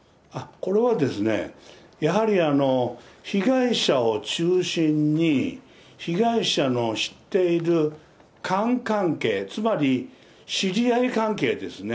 これは、やはり被害者を中心に被害者の知っているかん関係、つまり知り合い関係ですね。